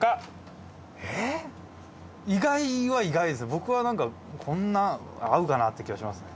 僕はなんかこんな合うかな？って気がしますね。